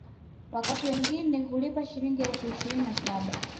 Wakati wageni hulipa Shilingi elfu ishirini na saba